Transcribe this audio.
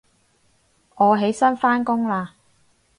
我起身返工喇